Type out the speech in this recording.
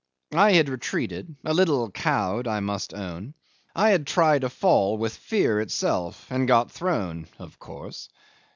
I had retreated a little cowed, I must own. I had tried a fall with fear itself and got thrown of course.